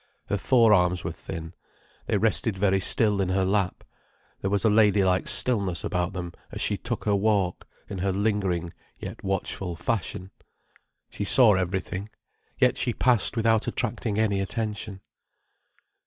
Her fore arms were thin, they rested very still in her lap, there was a ladylike stillness about them as she took her walk, in her lingering, yet watchful fashion. She saw everything. Yet she passed without attracting any attention.